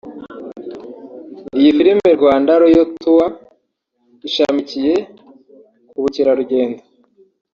Iyi filime Rwanda Royal Tour ishamikiye ku bukerarugendo